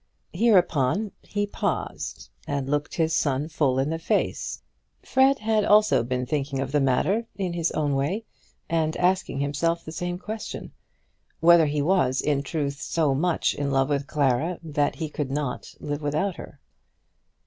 Hereupon he paused and looked his son full in the face. Fred had also been thinking of the matter in his own way, and asking himself the same question, whether he was in truth so much in love with Clara that he could not live without her.